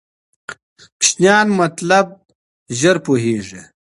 ماشومان مطلب ژر پوهېږي.